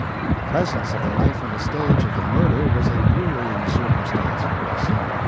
The presence of the knife on the stage of the murder was a worrying circumstance for Wilson.